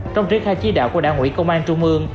trong triết khai chí đạo của đảng ủy công an trung mương